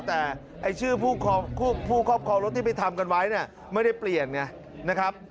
แต่ชื่อผู้ครอบครองรถที่ไปทำกันไว้เนี่ยไม่ได้เปลี่ยนไงนะครับ